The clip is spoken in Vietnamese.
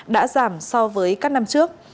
đã giảm so với các năm trước